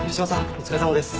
お疲れさまです。